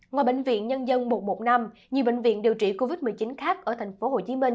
ngoài bệnh viện nhân dân một trăm một mươi năm nhiều bệnh viện điều trị covid một mươi chín khác ở tp hcm